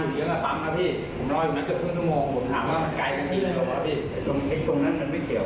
มีอะไรก็เดี๋ยวพูดไกลมีอะไรก็ให้ภูมิกับช่วยเหลือ